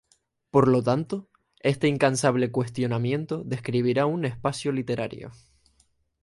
Por lo tanto, este incansable cuestionamiento describirá un "espacio literario".